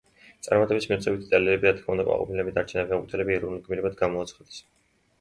წარმატების მიღწევით იტალიელები, რა თქმა უნდა, კმაყოფილნი დარჩნენ და ფეხბურთელები ეროვნულ გმირებად გამოაცხადეს.